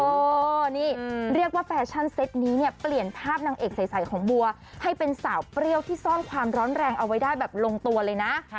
เออนี่เรียกว่าแฟชั่นเซ็ตนี้เนี่ยเปลี่ยนภาพนางเอกใสของบัวให้เป็นสาวเปรี้ยวที่ซ่อนความร้อนแรงเอาไว้ได้แบบลงตัวเลยนะ